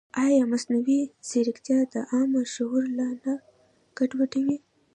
ایا مصنوعي ځیرکتیا د عامه شعور لار نه ګډوډوي؟